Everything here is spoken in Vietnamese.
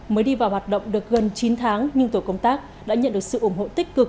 mới đi vào hoạt động được gần chín tháng nhưng tổ công tác đã nhận được sự ủng hộ tích cực